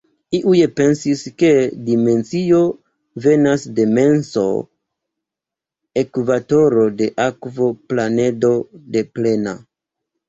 Iuj pensis, ke dimensio venas de menso, ekvatoro de akvo, planedo de plena!